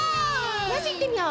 まずいってみよう！